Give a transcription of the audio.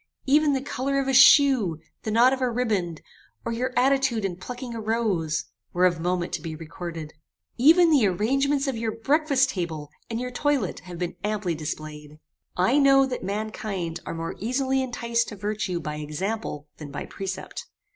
Even the colour of a shoe, the knot of a ribband, or your attitude in plucking a rose, were of moment to be recorded. Even the arrangements of your breakfast table and your toilet have been amply displayed. "I know that mankind are more easily enticed to virtue by example than by precept.